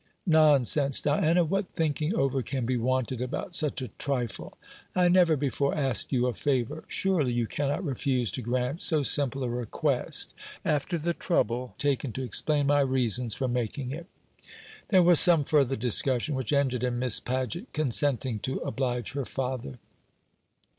"Nonsense, Diana; what thinking over can be wanted about such a trifle? I never before asked you a favour. Surely you cannot refuse to grant so simple a request, after the trouble I have taken to explain my reasons for making it." There was some further discussion, which ended in Miss Paget consenting to oblige her father.